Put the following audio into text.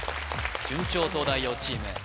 順調東大王チーム